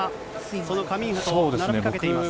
そのカミンハと並びかけています。